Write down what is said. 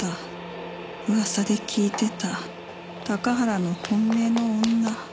噂で聞いてた高原の本命の女。